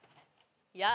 やあ。